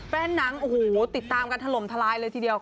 หนังโอ้โหติดตามกันถล่มทลายเลยทีเดียว